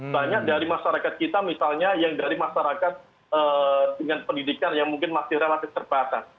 banyak dari masyarakat kita misalnya yang dari masyarakat dengan pendidikan yang mungkin masih relatif terbatas